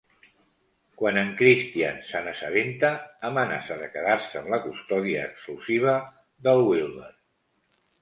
Quan en Christian se n'assabenta, amenaça de quedar-se amb la custòdia exclusiva del Wilber.